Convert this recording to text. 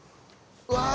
うわ！